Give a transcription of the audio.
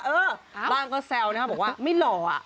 เออบ้านก็แซวนะบอกว่าไม่หล่า